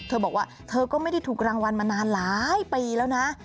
เธอบอกว่าเธอก็ไม่ได้ถูกรางวัลมานานหลายปีแล้วนะ